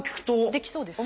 できそうですか？